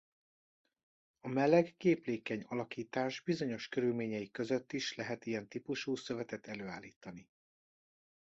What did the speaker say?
A meleg képlékeny alakítás bizonyos körülményei között is lehet ilyen típusú szövetet előállítani.